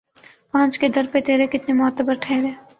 پہنچ کے در پہ ترے کتنے معتبر ٹھہرے